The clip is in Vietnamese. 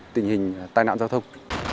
tình hình tai nạn giao thông